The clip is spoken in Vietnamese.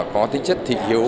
có tính chất thị hiếu